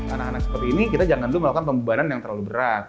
anak anak seperti ini kita jangan dulu melakukan pembebanan yang terlalu berat